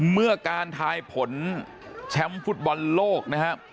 เมื่อการท้ายผลแชมป์ฟุตบอลโลก